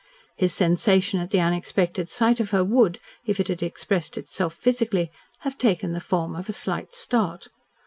His sensation at the unexpected sight of her would, if it had expressed itself physically, have taken the form of a slight start.